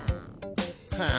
はあ。